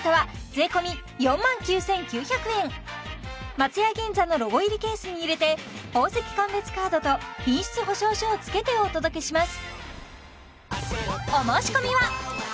松屋銀座のロゴ入りケースに入れて宝石鑑別カードと品質保証書を付けてお届けします